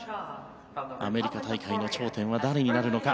アメリカ大会の頂点は誰になるのか。